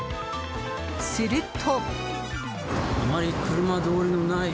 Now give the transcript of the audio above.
すると。